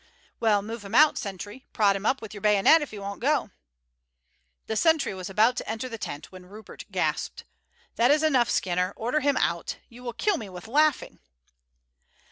"Well, move him out, sentry; prod him up with your bayonet if he won't go." The sentry was about to enter the tent when Rupert gasped, "That is enough, Skinner; order him out. You will kill me with laughing."